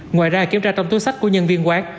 ngoài ra kiểm tra trong túi sách của nhân viên quán